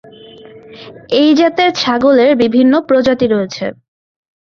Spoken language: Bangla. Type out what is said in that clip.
এই জাতের ছাগলের বিভিন্ন প্রজাতি রয়েছে।